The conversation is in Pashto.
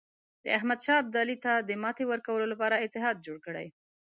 د احمدشاه ابدالي ته د ماتې ورکولو لپاره اتحاد جوړ کړي.